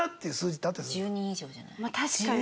確かに。